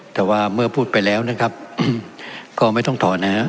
แต่ว่าเมื่อพูดไปแล้วนะครับก็ไม่ต้องถอนนะฮะ